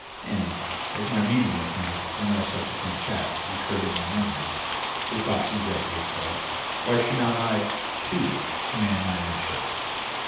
And, as my meeting with him and our subsequent chat recurred to my memory, the thought suggested itself, "Why should not I, too, command my own ship?"